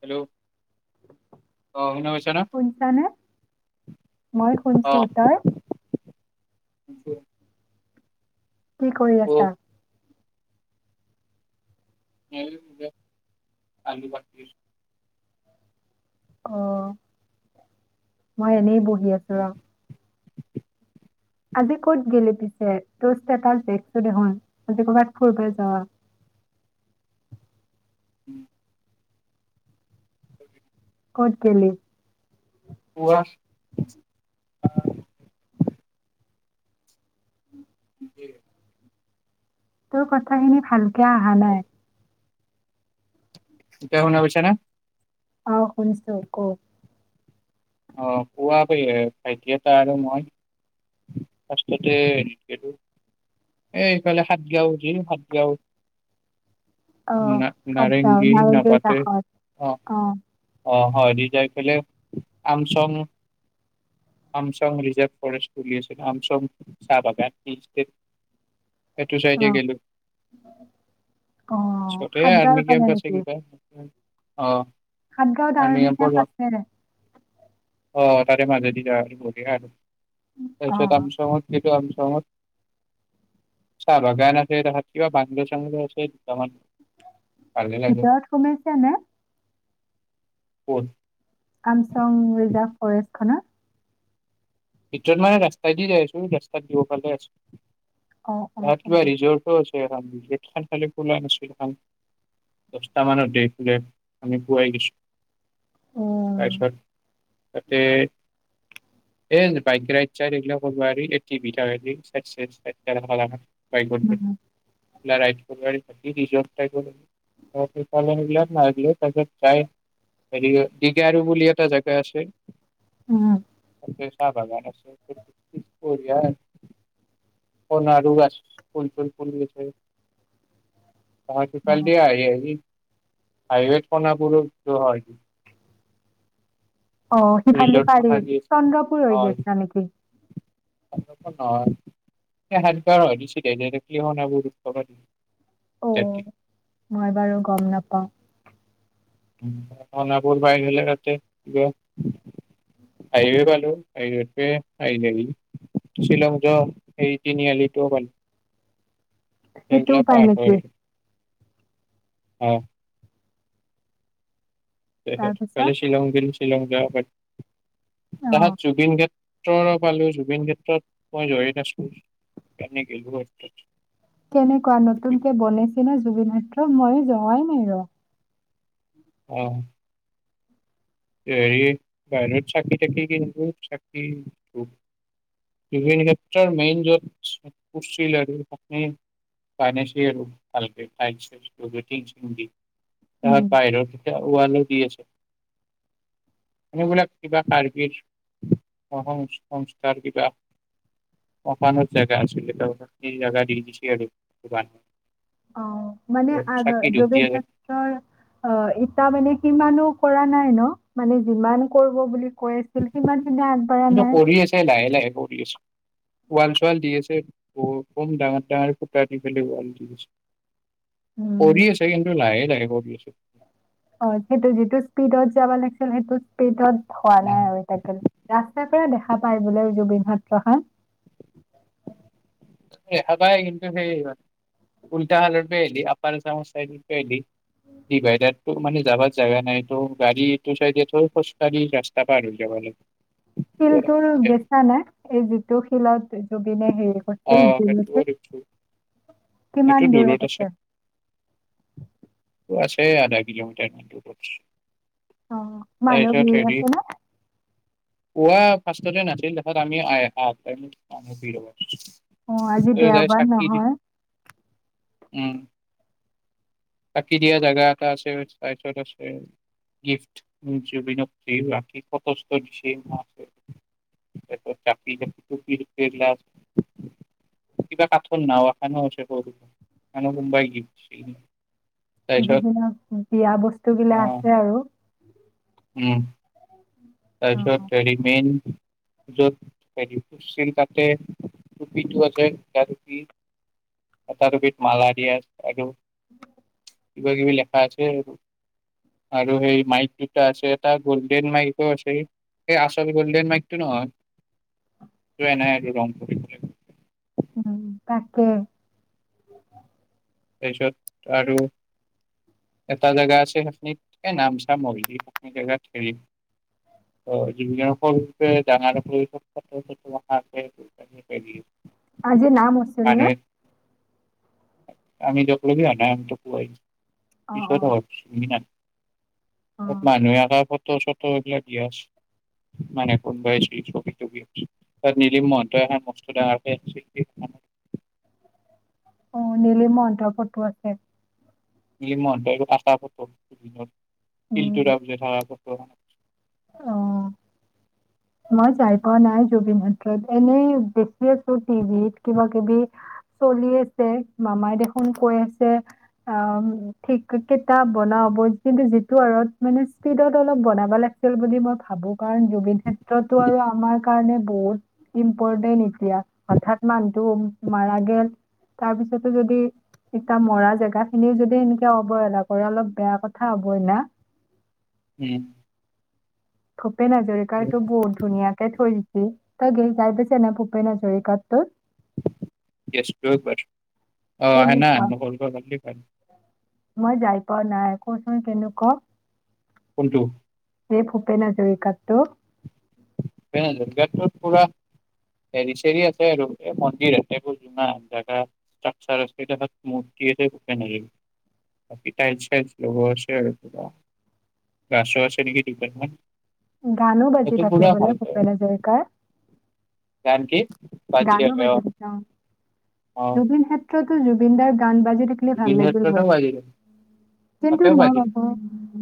Hello, অ শুনা পাইছা ন শুনছানে মই শুনছো তই উ [inaudible] কি কৰি আছা? আ পছ [inaudible] অ মই এনেই বহি আছো আও। আজি ক'ত গিলি পিছে তষ্ট এল দেখছো দেখোন আজি কৰ'বাত ফুৰিব যোৱা। উম। উম [unintelligible] ক'ত গলা। কোৱা। উ [unintelligible] তোৰ কথাখিনি ভাল। কৈ অহা নাই। এতিয়া শুনি পাইছা নে। অঁ শুনিছ ক। অঁ পোৱা। তাৰ পাছত। অঁ খাত যাওঁ নাপাতে কাষত অ অঁ। অ হয় ৰিজাৰভলে। চলছিল আমচং চাহ বাগান নি। সেইটো চাইডে অ' কিন্ত অ' পিছতে সাতগাঁৱৰ আৰ্মি ফালে কেম্প আছে কিবা। অহঁ। হাদ গাওঁ। অঁ তাৰে মাজে দি যাবি হাঁ আৰু। অ' [unintelligible] ত চাহ বাগান আছে কিবা বাংল চাংল আছে ত [unintelligible] ভিতৰত কমিছে নে [unintelligible] কোন [unintelligible] আমচং ৰিজাৰ্ভ ফৰেষ্ট খনৰ। ভিতৰত মানে ৰাস্তাই দি যাই আছো ৰাস্তাত দিব পালে আছো [unintelligible] অ' অ' ইয়াত কিবা অ' ৰিৰ্জাতো আছে [unintelligible] খালি খোলা নাছিলখন দহটা মানত আমি পোৱাই গৈছো উম [unintelligible] তাৰপিছত। এই বাইক ৰাইড চাইড। বাইক। উম ৰিৰ্জাত টাইপত বাইক লৈ তাৰ পাছত তাই দিগাৰু বুলি এটা জাগা আছে। উম। চাহ বাগান আছে। বঢ়িয়া। সোণাৰু গাছ। ফুল চুল ফুলি আছে। অঁ অ'। সিফাল্ডি আহি আহি হাইৱেত সোণাপুৰত যো সহাইদি। অ সিফাল দি ৰিজৰ্ট পাৰি। মাখা আছে চন্দ্ৰপুৰ হৈ হয় গেছা নেকি? নহয়। এ সাতগাওঁৰ সহাইদি চিধাই যাই থাকলি সোণাপুৰ পাৰি। ও' মই বাৰু গম নাপাওঁ। উম। সোণাপুৰ পাই পেলে তাতে কিবা হাইৱে পালোয়ে। হাইৱেৰ ফাইনেলী শ্বিলং য সেই তিনি আলিটোও পালো। সেইটো সেইগিলা উপায় নেকি? হয়। কালি তাৰপিছত? শ্বিলং। শ্বিলং। তাহাক অ', জুবিন ক্ষেত্ৰৰ পালো। জুবিন ক্ষেত্ৰত মই যোৱই নাছলো। সেইকাৰণে গেলু আৰ। কেনেকুৱা নতুন কে বনেইছি না জুবিন মই যোৱাই নাই ৰ। অহ। হেৰি বাহিৰত চাকি থাকি কিনলো। চাকি ধূপ। জুবিন ক্ষেত্ৰৰ মেইন য'ত পূৰ্চিল আৰু সেখনি বানাইচি আৰু ভালকে টাইলচ্ চাইলচ্‌ লগে, টিং চিং দি। উম। তোমাক তাইলৈ। ইটা ৱালো দি আছে। এনেবিলাক কিবা কাৰ্বিৰ সংস্থাৰ কিবা অকানত জেগা আছিলে। তেওঁ সেই জেগা দি দিছে আৰু। অ মানে আগ চাকি ধূপ জুবিন দিয়া যায় ক্ষেত্ৰ অ ইটা মানে কিমাননো। কৰা নাই ন মানে যিমান কৰিব বুলি। কৈ আছিল সিমান খিনি আগবঢ়া নাই? ওৱাল চোৱাল দি আছে ডাঙৰ ডাঙৰ খুতা দি পেলাই ওলাল দি আছে। উম। উৰি আছে কিন্ত লাই ল। অ'বিয়ে। লে পি ত। হোৱা নাই অ' আৰু এতিয়া কে ৰাস্তাৰ পৰা দেখা। দেখা পায় বোলে জুবিন হাত্ৰ খন। হাবাই কিন্তু সেইান উল্টা হালৰপ আহলি আপাৰ চ আহি। কি পাই তাত। মানে যাবাত জাগা নাই তো গাড়ীটো চাইদে থৈ খোজ কাঢ়ি ৰাস্তা পা আৰু যাব লাগ। চিল তুল গেছানা। এইজিটো খিল আছে? যগিনে হেই অ' পছিল। সেইটোও দেখিছোঁ। কিমান দূৰত আছে। আছে আধা কিলোমিটাৰ দূৰত। অ মানুহ নিয়ে আছে নে। পোৱা ফাৰ্ষ্টতে নাছিল খত আমি অহা। অ আজি দেওবাৰ দি নহয়। উম চাকি দিয়া জাগা এটা আছে। তাৰপিছত আছে গিফট জুবিনক বাকি ফটো ছটো দিছে। জাপি টুপী এইবিলাক কিবা কাঠৰ নাও এখনো আছে সৰু মানে কোনবাই গিফট। [inaudible] যিবিলাক বিয়া বস্তু বিলাক আহ আছে আৰু। [inaudible] উম তাৰ পিছত অ', টেডিমেইন। য'ত হেৰি চিল কাতে টুপীটো আছে এটা টুপীত এটা টুপীত মালা দিয়া আৰু। [inaudible] কিবা কিবি লিখা আছে। আৰু আৰু সেই মাইক দুটা আছে এটা গল্ডেন মাইক। ত আচেই এয়া আচল গোল্ডেন মাইক টো নহয় ত এ নাই দি ৰং কৰিব লাগিব। উম তাকে। তাৰপিছত আৰু এটা জাগা আছে। সেইখিত এ নামচা মলজি সেইখি জাগাত জুবিনৰ সৰু হে ডাঙৰক লৈ [unintelligible] আজি নাম আছিল নে? [inaudible] আমি যোৱালৈকে আনাৰামটো হোৱাই নাই। অ', অ', পিছত হ'ব দুদিন মান। অ', মানুহে [inaudible] ফটো চতো এইবিলাক দিয়া আছে। মানে কোনবাইছিল ছবি তবি আকি। নিলিম মসন্ত অনা বস্তু দাঙৰ কে। অ নলিম মহন্তৰ ফটো আছে। মনটো একো পাতা উম, [unintelligible] অ অ। মই যাই পোৱা নাই জুবিন ক্ষেত্ৰলৈ এনেই দেখি আছো টিভিত কিবা কিবি চলি আছে মামাই দেখোন কৈ আছে অ ঠিক কেইটা বনাব কিন্তু যিটো আৰত মানে স্পীডত অলপ বনাব লাগিছিল বুলি মই ভাবোঁ কাৰণ জুবিন দা ক্ষেত্ৰতো আৰু আমাৰ কাৰণে- বহুত ইম্পৰ্টেণ্ট এতিয়া হঠাৎ মানুহটো মাৰা গ'ল তাৰ পিছতো যদি এয়া মৰা জাগা খিনিও যদি এনেকে অৱহেলা কৰে অলপ বেয়া কথা হ'বই না। উম। থু ভূপেন হাজৰিকাৰটো বহুত ধুনীয়াকে থৈ দিছে। তই গই পাইছ নাই ভূপেন হাজৰিকাৰ টোত। [unintelligible] পায় অ আহে না কেনেকুৱা নকল কৰা ট্ৰফিত পায়। মই যাই পোৱা নাই কচোন কেনেকুৱা? কোনটো? সেই ভূপেন হাজৰিকাৰটোত। ভূপেন হাজৰিকা ক'ত পুৰা হেৰি চেৰি আছে। আৰু মন্দিৰ আছে জুঙা জাগা তাকচাৰ আছে মূৰ্তি আছে ভূপেন হাজৰিকা বাকী টাইল চাইল লগোৱা আছে আৰু গাছো আছে নেকি দুলাল মান। গানো বাজি থাকে বোলে। ভুপেন হাজৰিকাৰ কাৰণ কি অহ বাজি থাকে অ অ জুবিনদাৰ গান বাজি থাকিলে জুবিন ভাল লাগিল ক্ষেত্ৰতো গৈ বাজিৰে কিন্তু তাতেও মই বাজিৰে ভাবো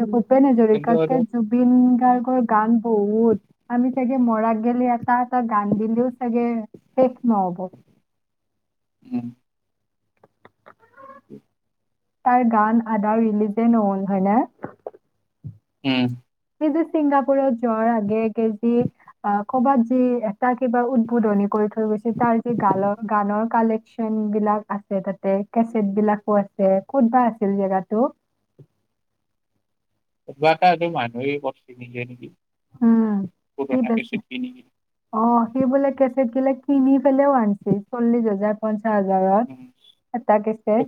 যে ভূপেন কিন্তু হাজৰিকাতকে এইটো জুবিন গাৰ্গৰ। গান বহুত আমি চাগে মৰাত গেলে এটাত আতা গান দিলে আকে শেষ নহব। উম তাৰ গান আদা ৰিলিজে নহ'ল হয় নে। উম সি ছিংগাপুৰত [inaudible] কৰ'বাত যি এটা কিবা উদ্বোধনী কৰি থৈ গৈছে তাৰ যি গানৰ গানৰ কালেকচন বিলাক আছে তাতে কেচেট বিলাকো আছে ক'ত বা আছিল জেগাটো। কবা এটাটো [unintelligible] মানুহেই বি নিছে নেকি। উম সি পুৰণা বেচে কেছেট কিনি কিনি অ সি বোলে কেচেট গিলেক কিনিকেনেও আনিছে চলিশ হাজাৰ পঞ্চাশ হাজাৰত এটা কেছেট।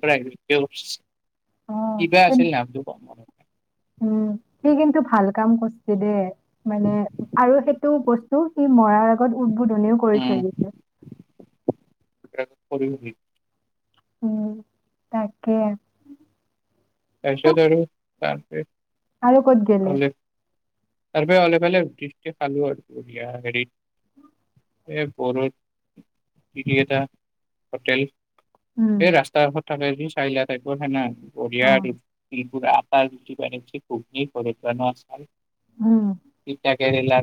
অ'। কিবা আছিল কিন- নামটো কম উম সি কিন্তু ভাল কাম কৰছে দেই মানে আৰু সেইটো বস্তু সি মৰাৰ আগত উ উধনিও কৰি উম থৈ গৈছে। তাৰপিছত উম তাকে তাৰ তো পিছত আৰু তপ আৰু ক'ত তাৰ পৰা অলপফালে দৃষ্টি খালো আৰুঢ়িয় হেৰিত বত এটা হোটেল সেই ৰাস্তাৰ ঘ কি চাই আহিলা ইপোৰ হয়ে নাই অ এইপ আটাৰি প ক ঘ আচ [unintelligible] উম কেৰেলা।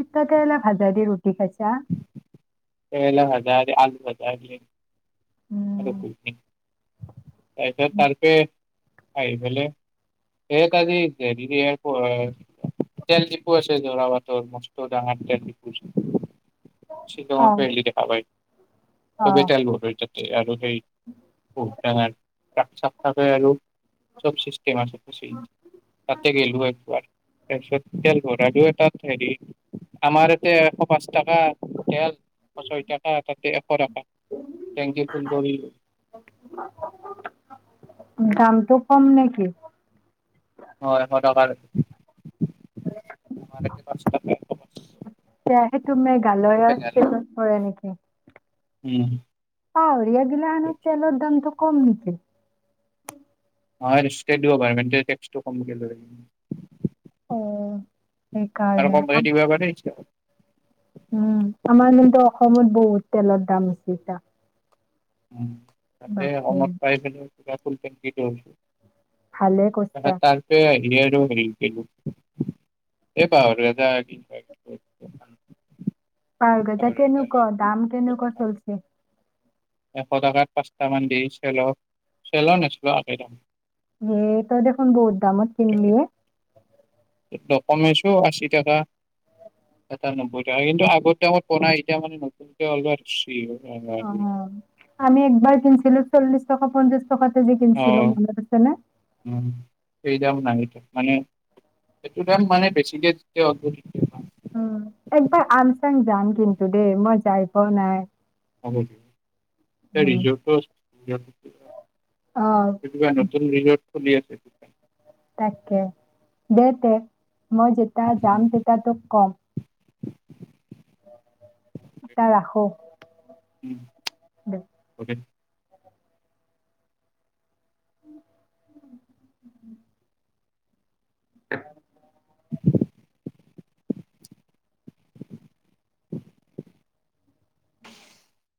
তিতা কেৰেলা ভাজা দি ৰুটি খাইছা কেৰেলা, ভাজাৰ আলু, ভাজাৰ আৰু উম তাৰ [unintelligible] তপে আহি পলে এই ত আজি হেৰি তেল ডিপু আছে যৰা বাটৰ মস্ত ডাঙৰ তেল ডিপু অ, ৰিলি দেখাপাই অ, ত বেটেল আৰু এই উটাৰ চব থাকে আৰু চব মচ তাতে গলো একবাৰ তাৰপিছত তেল ভৰালোৱে তাত হেৰি আমাৰ এতে এশ পাঁচ টকা তেল ছয় টাকা এ তাতে এশ টাকা থেংকিউ ফোন কৰিলোঁ দুপাম মানে নেকি হয় এশ টকাৰ আমাৰ ইয়াতে পাঁচ টকা এশ পাঁচ সেইটো তুমি গালৰ মেঘালয় [inaudible] কৰে নেকি উম অ ৰীযাতগিলা সানো তেলৰ দামটো কম নেকি হয় ৰিষ্টকেপ দিব পাৰি মেইনতেইন টেকচতো কম কে লয় অ আৰু সেইকাৰণে কোনো আম দিব পাৰি ইচ্ছা কৰিলে উম আমাৰ ই অসমত বহুত তেলৰ দাম হৈছে এতিয়া উম তাতে কমত পাই পেলাই যাৰ কনটেক যিটো ভালে কৈছা এই পাহি পাৰগজা কেনেকুৱা দাম কেনেকুৱা চলিছে। এশ টকাত পাঁচটামান দি চেলৰ চেলৰ নেচেলৰ আই এটো দেখোন বহুত দামত কিনলি হে ডকুমেছো আশী টকা এটা নব্বৈ টকা কিন্তু আগতে আত পাই এতিয়া মানে নতুনকে অলপ অ আমি একবাৰ কিনিছিলো চল্লিশ টকা পঞ্চাচ টকাত এযোৰ কিনিছিলো মনত আছে নে। উম সেই দাম নাই এতিয়া মানে সেইটো দাম মানে বেছিকে যেতিয়া অলৰেডী ধৰিব পৰা নাই। একবাৰ আমচাং যাম। কিন্তু দেই মই যাই পোৱা নাই। হ'ব দিয়া। এই উম। ৰিজৰ্টত সিহঁতৰ অ আৰু এতিয়া নতুন ৰিজৰ্ট। সুধি আছে কি কাম। তাকে দেহ তে। মই যেতিয়া যাম, তেতিয়া তোক কম। এতিয়া ৰাখোঁ। ওম। অকে। অঁ অঁ। [inaudible] [unintelligible]